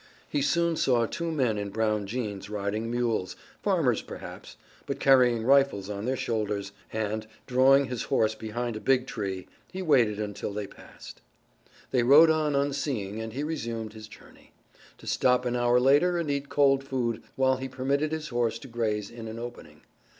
He soon saw two men in brown jeans riding mules, farmers perhaps, but carrying rifles on their shoulders, and, drawing his horse behind a big tree, he waited until they passed. They rode on unseeing and he resumed his journey, to stop an hour later and eat cold food, while he permitted his horse to graze in an opening.